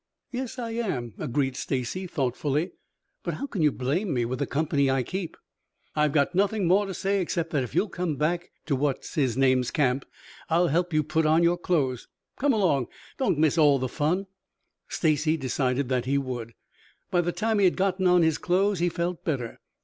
"Yes, I am," agreed Stacy thoughtfully. "But how can you blame me, with the company I keep?" "I've got nothing more to say, except that if you'll come back to what's his name's camp I'll help you put on your clothes. Come along. Don't miss all the fun." Stacy decided that he would. By the time he had gotten on his clothes he felt better.